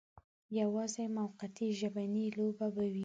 یوازې موقتي ژبنۍ لوبه به وي.